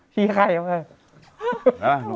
ชี้ใคร